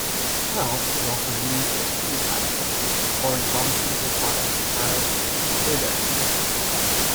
Talc is also used as food additive or in pharmaceutical products as a glidant.